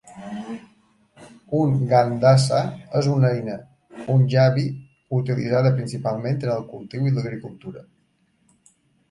Un "Gandasa" és una eina, "Punjabi", utilitzada principalment en el cultiu i l'agricultura.